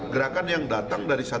gerakan yang datang dari